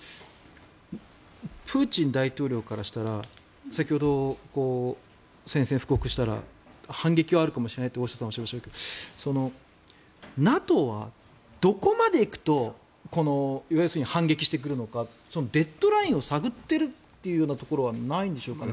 プーチン大統領からしたら先ほど、宣戦布告したら反撃はあるかもしれないと大下さんはおっしゃいましたけどＮＡＴＯはどこまでいくと要するに反撃してくるのかデッドラインを探っているというようなところはないんでしょうか。